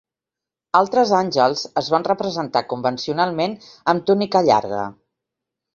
Altres àngels es van representar convencionalment amb túnica llarga.